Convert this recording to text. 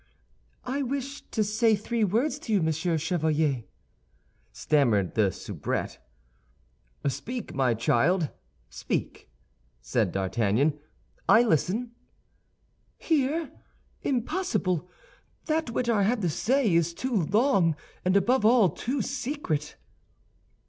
"I wish to say three words to you, Monsieur Chevalier," stammered the soubrette. "Speak, my child, speak," said D'Artagnan; "I listen." "Here? Impossible! That which I have to say is too long, and above all, too secret."